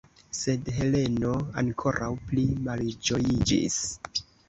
Sed Heleno ankoraŭ pli malĝojiĝis.